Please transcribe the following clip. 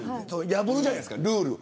破るじゃないですか、ルール。